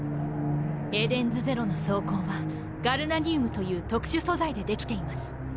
エデンズゼロの装甲はガルナニウムという特殊素材で出来ています。